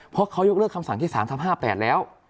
เพราะเขายกเลิกคำสั่งที่๓ทับ๕๘แล้ว